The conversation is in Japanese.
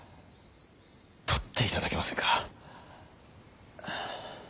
取っていただけませんか。